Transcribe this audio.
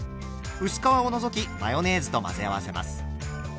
薄皮を除きマヨネーズと混ぜ合わせます。